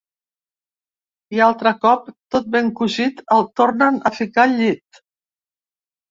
I altre cop tot ben cosit el tornen a ficar al llit.